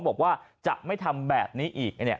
บอกว่าจะไม่ทำแบบนี้อีก